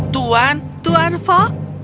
tuan tuan fok